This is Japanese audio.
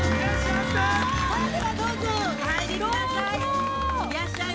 それではどうぞお入りください。